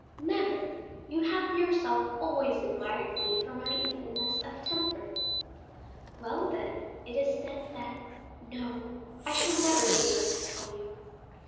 "Never; you have yourself always admired me for my evenness of temper." "Well, then, it is said that no, I shall never be able to tell you."